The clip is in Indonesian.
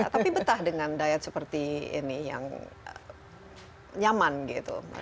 tapi betah dengan diet seperti ini yang nyaman gitu